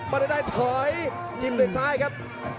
บาร์เดอร์ไดท์เผยจิ้มโดยซ้ายครับ